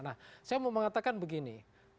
nah saya mau mengatakan begini